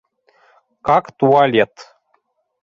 Как туалет.